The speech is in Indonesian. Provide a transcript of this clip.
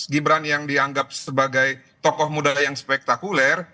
gibran yang dianggap sebagai tokoh muda yang spektakuler